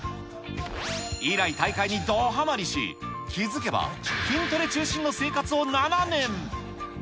以来、大会にどはまりし、気付けば筋トレ中心の生活を７年。